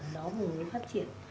đó mới phát triển